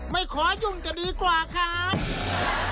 ไม่ขอยุ่งจะดีกว่าครับ